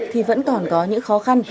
thì vẫn còn có những khó khăn